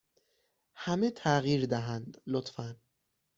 همه تغییر دهند، لطفا.